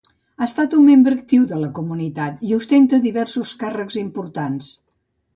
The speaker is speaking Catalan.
Ha estat un membre actiu de la comunitat i ostenta diversos càrrecs importants.